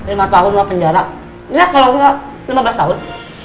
lima tahun lah penjara lihat kalau enggak lima belas tahun